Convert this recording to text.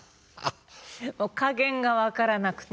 加減が分からなくて。